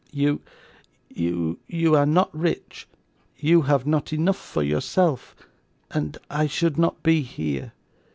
You you are not rich; you have not enough for yourself, and I should not be here.